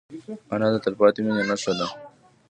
انا د تلپاتې مینې نښه ده